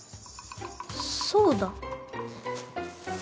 そうだ。